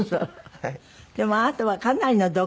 はい。